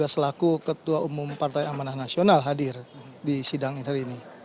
selaku ketua umum partai amanah nasional hadir di sidang hari ini